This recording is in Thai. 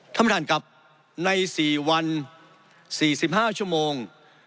ธรรมธานกราบใน๔วัน๔๕ชั่วโมง